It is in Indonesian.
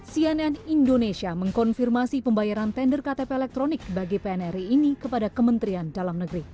cnn indonesia mengkonfirmasi pembayaran tender ktp elektronik bagi pnri ini kepada kementerian dalam negeri